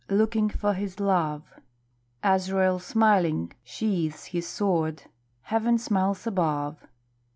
Looking for his love, Azrael smiling sheathes his sword, Heaven smiles above.